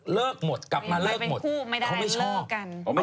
เลิกหมดกลับมาเลิกหมด